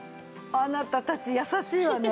あなたたち優しいわね！